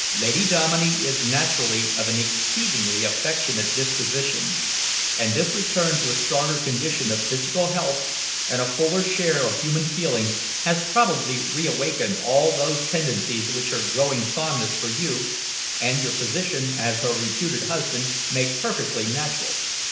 Lady Dominey is naturally of an exceedingly affectionate disposition, and this return to a stronger condition of physical health and a fuller share of human feelings has probably reawakened all those tendencies which her growing fondness for you and your position as her reputed husband make perfectly natural.